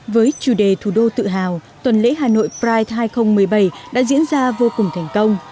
với chủ đề thủ đô tự hào tuần lễ hà nội pride hai nghìn một mươi bảy đã diễn ra vô cùng thành công